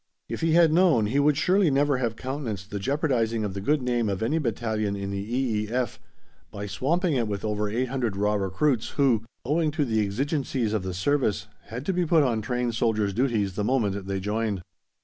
If he had known he would surely never have countenanced the jeopardising of the good name of any battalion in the E.E.F. by swamping it with over 800 raw recruits who, owing to the "exigencies of the service," had to be put on trained soldiers' duties the moment they joined.